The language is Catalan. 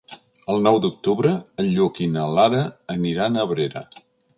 El nou d'octubre en Lluc i na Lara aniran a Abrera.